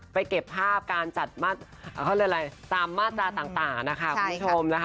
ไปเก็บภาพการจัดตามมาตราต่างนะคะคุณผู้ชมนะคะ